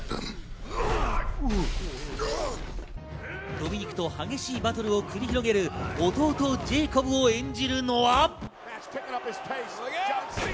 ドミニクと激しいバトルを繰り広げる、弟ジェイコブを演じるのは。